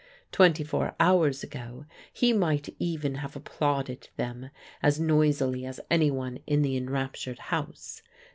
Twenty four hours ago he might even have applauded them as noisily as anyone in the enraptured house.